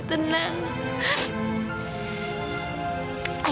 ibu tenang ya ibu